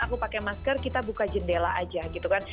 aku pakai masker kita buka jendela aja gitu kan